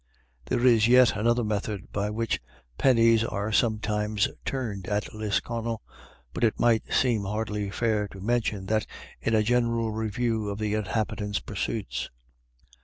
There is yet another method by which pennies are sometimes turned at Lisconnel, but it might seem hardly fair to mention that in a general review of the in habitants' pursuits.